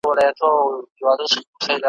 د وطن په یاد، دا نسبتاً اوږده غزل ولیکله: `